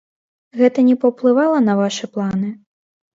Гэта не паўплывала на вашы планы?